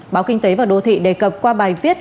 báo kinh tế và đô thị đề cập qua bài viết